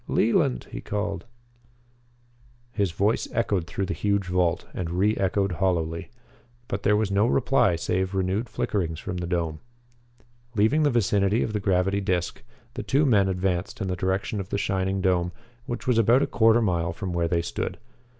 Leland!" he called. His voice echoed through the huge vault and re echoed hollowly. But there was no reply save renewed flickerings from the dome. Leaving the vicinity of the gravity disc, the two men advanced in the direction of the shining dome, which was about a quarter mile from where they stood.